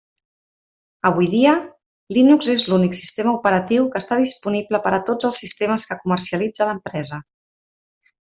Avui dia, Linux és l'únic sistema operatiu que està disponible per a tots els sistemes que comercialitza l'empresa.